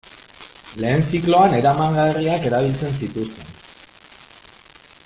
Lehen zikloan eramangarriak erabiltzen zituzten.